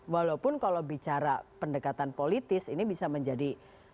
walaupun kalau bicara pendekatan politis ini bisa menjadi